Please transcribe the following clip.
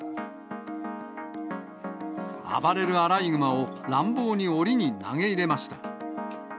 暴れるアライグマを、乱暴におりに投げ入れました。